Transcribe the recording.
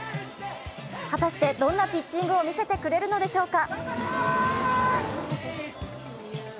果たしてどんなピッチングを見せてくれるのでしょうか。